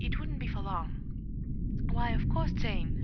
It wouldn't be for long." "Why, of course, Jane!"